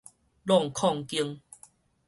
閬閌間